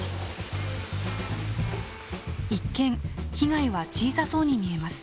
一見被害は小さそうに見えます。